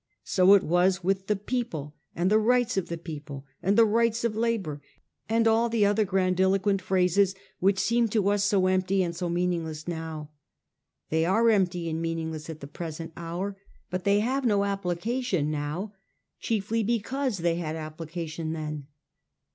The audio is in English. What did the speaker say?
So it was with £ the people ' and ' the rights of the people ' and the ' rights of labour,' and all the other grandiloquent phrases which seem to us so empty and so meaningless now. They are empty and meaningless at the present hour ; but they have no application now chiefly because they had applica tion then.